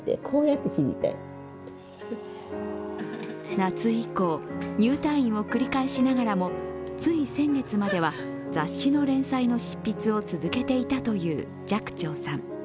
夏以降、入退院を繰り返しながらもつい先月までは、雑誌の連載の執筆を続けていたという寂聴さん。